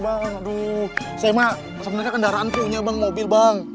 aduh saya mah sebenernya kendaraan punya bang mobil bang